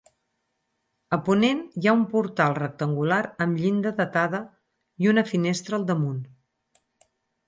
A ponent hi ha un portal rectangular amb llinda datada i una finestra al damunt.